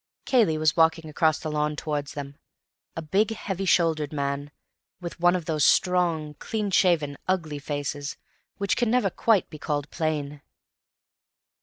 Cayley was walking across the lawn towards them, a big, heavy shouldered man, with one of those strong, clean shaven, ugly faces which can never quite be called plain.